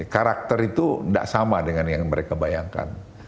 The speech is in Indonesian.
karakter itu tidak sama dengan yang mereka bayangkan